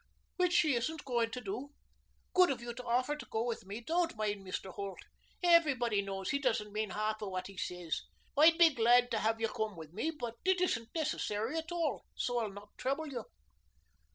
"Which she isn't going to do. Good of you to offer to go with me. Don't mind Mr. Holt. Everybody knows he doesn't mean half of what he says. I'd be glad to have you come with me, but it isn't necessary at all. So I'll not trouble you."